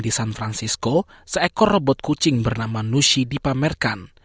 di san francisco seekor robot kucing bernama nushi dipamerkan